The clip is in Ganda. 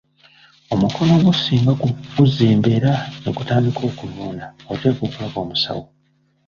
Omukono gwo singa guzimba era ne gutandika okuvunda oteekwa okulaba omusawo.